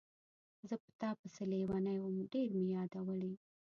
زه په تا پسې لیونی وم، ډېر مې یادولې.